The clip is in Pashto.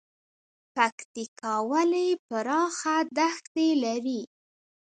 پکتیکا ولې پراخه دښتې لري؟